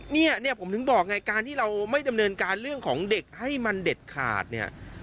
เนี่ยเนี่ยผมถึงบอกไงการที่เราไม่ดำเนินการเรื่องของเด็กให้มันเด็ดขาดเนี่ย